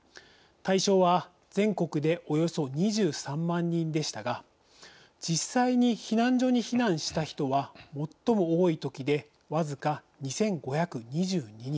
対象は全国でおよそ２３万人でしたが実際に避難所に避難した人は最も多いときでわずか２５２２人。